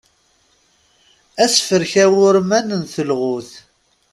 Asefrek awurman n telɣut.